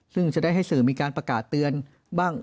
ซึ่งจะได้ให้สื่อมีการประกาศเตือนบ้าง